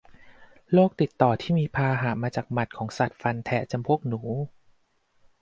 โรคติดต่อที่มีพาหะมาจากหมัดของสัตว์ฟันแทะจำพวกหนู